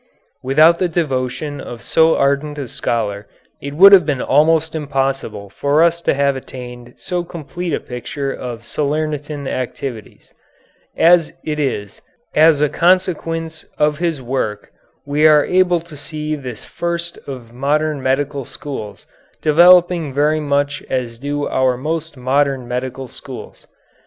Without the devotion of so ardent a scholar it would have been almost impossible for us to have attained so complete a picture of Salernitan activities. As it is, as a consequence of his work we are able to see this first of modern medical schools developing very much as do our most modern medical schools.